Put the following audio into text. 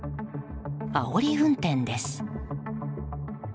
あおり運転です。